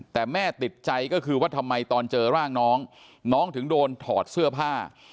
แต่แม่ติดใจก็คือว่าทำไมตอนเจอร่างน้องน้องถึงโดนถอดเสื้อผ้า